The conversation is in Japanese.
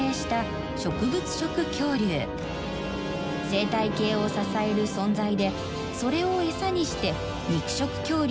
生態系を支える存在でそれを餌にして肉食恐竜たちは巨大化。